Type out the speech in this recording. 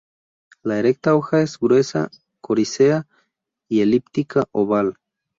La erecta hoja es gruesa, coriácea y elíptica-oval.